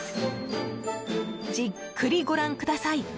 じっくりご覧ください。